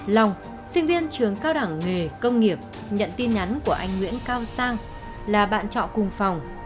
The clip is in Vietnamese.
long sinh viên trường cao đẳng nghề công nghiệp nhận tin nhắn của anh nguyễn cao sang là bạn trọ cùng phòng